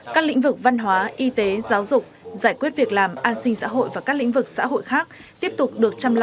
các lĩnh vực văn hóa y tế giáo dục giải quyết việc làm an sinh xã hội và các lĩnh vực xã hội khác tiếp tục được chăm lo